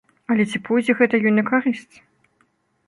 Але ці пойдзе гэта ёй на карысць?